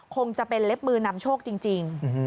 คงจะเป็นเล็บมือนำโชคจริง